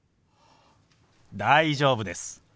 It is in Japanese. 大丈夫です。